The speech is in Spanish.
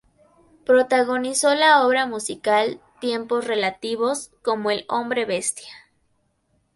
Protagonizó la obra musical "Tiempos Relativos", como el hombre bestia.